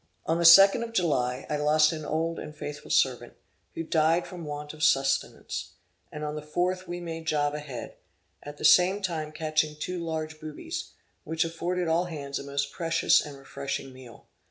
On the 2d of July I lost an old and faithful servant, who died from want of sustenance; and on the fourth we made Java head; at the same time catching two large boobies, which afforded all hands a most precious and refreshing meal.